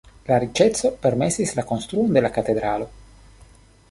La riĉeco permesis la konstruon de la katedralo.